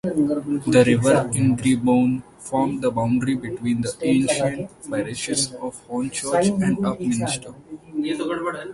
The River Ingrebourne formed the boundary between the ancient parishes of Hornchurch and Upminster.